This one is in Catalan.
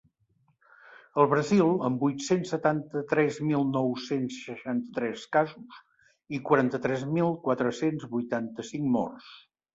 El Brasil, amb vuit-cents setanta-tres mil nou-cents seixanta-tres casos i quaranta-tres mil quatre-cents vuitanta-cinc morts.